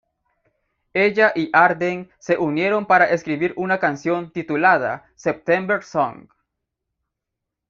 Ella y Arden se unieron para escribir una canción titulada "September Song".